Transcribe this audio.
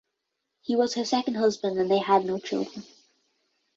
He was her second husband and they had no children.